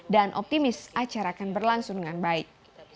dan optimis acara akan berlangsung dengan baik